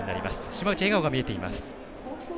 島内、笑顔が見えています。